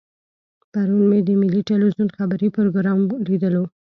پرون مې د ملي ټلویزیون خبري پروګرام لیدلو.